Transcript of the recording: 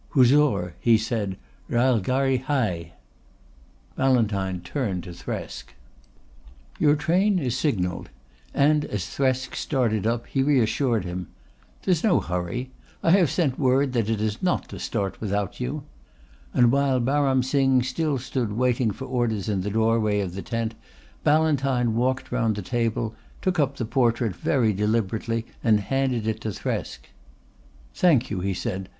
"Huzoor," he said. "Railgharri hai." Ballantyne turned to Thresk. "Your train is signalled," and as Thresk started up he reassured him. "There's no hurry. I have sent word that it is not to start without you." And while Baram Singh still stood waiting for orders in the doorway of the tent Ballantyne walked round the table, took up the portrait very deliberately and handed it to Thresk. "Thank you," he said.